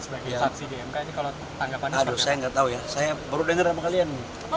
sebagai saksi dmk jikalau tanggapan aduh saya enggak tahu ya saya baru denger sama kalian